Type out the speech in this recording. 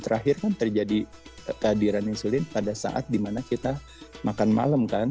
terakhir kan terjadi kehadiran insulin pada saat dimana kita makan malam kan